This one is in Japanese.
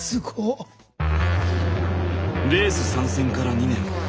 レース参戦から２年。